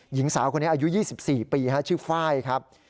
หญิงสาวคนนี้อายุ๒๔ปีชื่อไฟล์ครับ